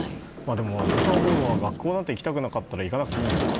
でも思うのは学校なんて行きたくなかったら行かなくていいんです。